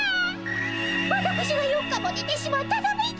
わたくしが４日もねてしまったために。